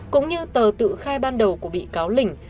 cũng như tờ tự khai ban đầu của bị cáo lình